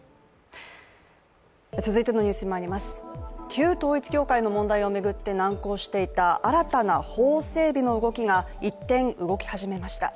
旧統一教会の問題を巡って難航していた新たな法整備の動きが、一転動き始めました。